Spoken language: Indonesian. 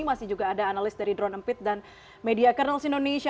masih juga ada analis dari drone empit dan media kernels indonesia